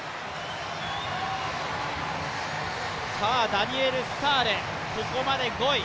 ダニエル・スタール、ここまで５位。